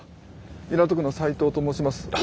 港区の斉藤と申します。